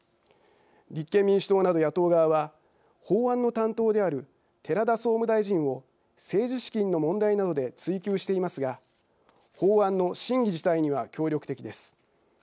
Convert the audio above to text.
立憲民主党など野党側は法案の担当である寺田総務大臣を政治資金の問題などで追及していますが法案の審議自体には協力的です。